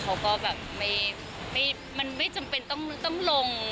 เขาก็แบบไม่จำเป็นต้องลง